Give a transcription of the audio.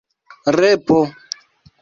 repo